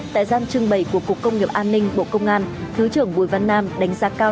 tại gian trưng bày của cục công nghiệp an ninh bộ công an thứ trưởng bùi văn nam đánh giá cao